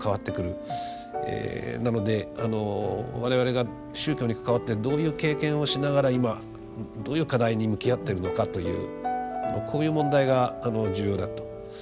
なので我々が宗教に関わってどういう経験をしながら今どういう課題に向き合ってるのかというこういう問題が重要だと。